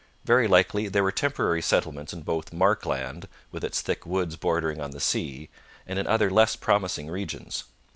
Very likely there were temporary settlements in both 'Markland,' with its thick woods bordering on the sea, and in other less promising regions.